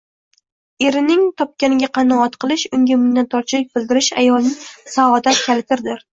Erining topganiga qanoat qilish, unga minnatdorchilik bildirish ayolning saodat kalitidir.